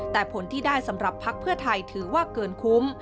แต่ผลที่ได้สำหรับภักดิ์เพื่อไทยถือว่าเกินคุ้ม